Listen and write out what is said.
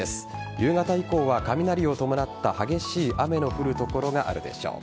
夕方以降は雷を伴った激しい雨の降る所があるでしょう。